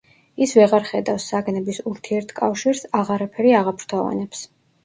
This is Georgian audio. ის ვეღარ ხედავს საგნების ურთიერთკავშირს, აღარაფერი აღაფრთოვანებს.